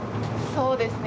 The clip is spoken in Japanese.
そうですね。